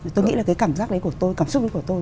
tôi nghĩ là cái cảm giác đấy của tôi cảm xúc của tôi